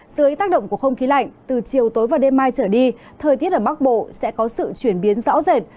dưới tác động của không khí lạnh từ chiều tối và đêm mai trở đi thời tiết ở bắc bộ sẽ có sự chuyển biến rõ rệt